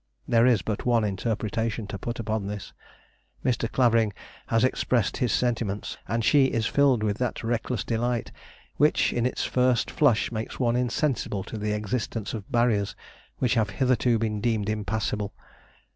There is but one interpretation to put upon this. Mr. Clavering has expressed his sentiments, and she is filled with that reckless delight which in its first flush makes one insensible to the existence of barriers which have hitherto been deemed impassable.